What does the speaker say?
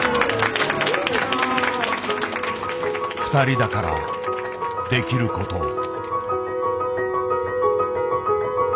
ふたりだからできること。